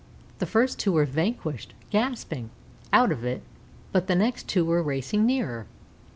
The first two were vanquished gasping out of it, but the next two were racing near.